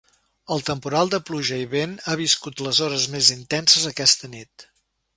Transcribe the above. El temporal de pluja i vent ha viscut les hores més intenses aquesta nit.